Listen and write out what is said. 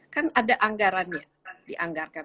kan ada anggarannya dianggarkan